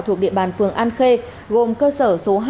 thuộc địa bàn phường an khê gồm cơ sở số hai trăm chín mươi ba